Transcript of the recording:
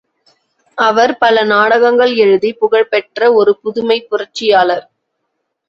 அவர் பல நாடகங்கள் எழுதிப் புகழ்பெற்ற ஒரு புதுமைப் புரட்சியாளர்.